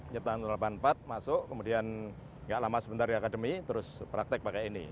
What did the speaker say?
nyetak tahun seribu sembilan ratus delapan puluh empat masuk kemudian nggak lama sebentar di akademi terus praktek pakai ini